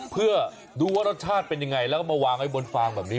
เพื่อดูว่ารสชาติเป็นยังไงแล้วก็มาวางไว้บนฟางแบบนี้